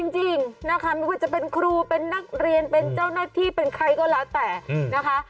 จริงนะคะไม่ว่าจะเป็นครูเป็นนักเรียนเป็นเจ้าหน้าที่เป็นใครก็แล้วแต่นะคะ